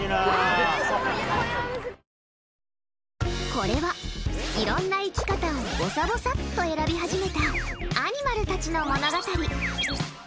これは、いろんな生き方をぼさぼさっと選び始めたアニマルたちの物語。